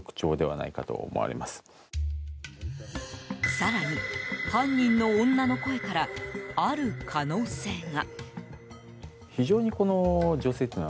更に、犯人の女の声からある可能性が。